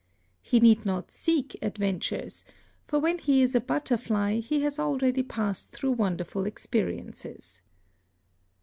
He need not seek adventures, for when he is a butterfly he has already passed through wonderful experiences.